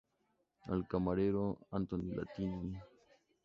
Al camarero Antonio Latini.